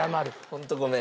「ホントごめん」。